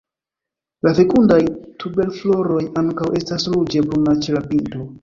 La fekundaj tuberfloroj ankaŭ estas ruĝe bruna ĉe la pinto.